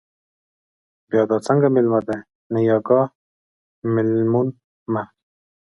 بیا دا څنگه مېلمه دے، نه يې اگاه، مېلمون مه